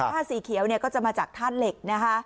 ธาตุสีเขียวก็จะมาจากธาตุเหล็ก